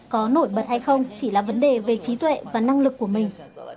có nổi bật hay không chỉ là vấn đề về trí tuệ và năng lực của mình